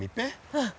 うん。